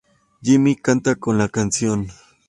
Jimmy canta en la canción.